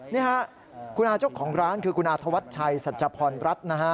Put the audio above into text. นี่ค่ะคุณอาจบของร้านคือคุณอาทวัตย์ชัยสัจจาพรรัฐ